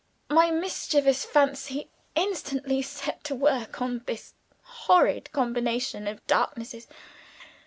My mischievous fancy instantly set to work on this horrid combination of darknesses.